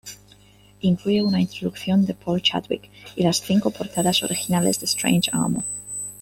Incluye una introducción de Paul Chadwick y las cinco portadas originales de Strange Armor.